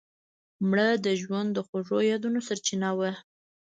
مړه د ژوند د خوږو یادونو سرچینه وه